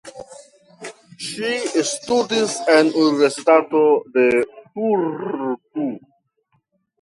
Ŝi ŝtudis en Universitato de Turku.